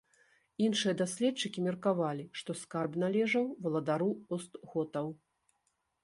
Іншыя даследчыкі меркавалі, што скарб належаў валадару остготаў.